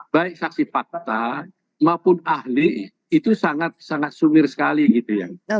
baik saksi fakta maupun ahli itu sangat sangat sumir sekali gitu ya